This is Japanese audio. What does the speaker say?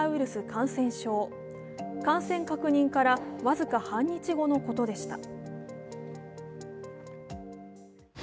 感染確認から僅か半日後のことでした。